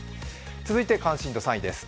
続いて関心度３位です。